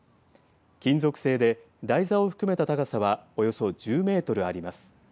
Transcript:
金属製で台座を含めた高さはおよそ１０メートルあります。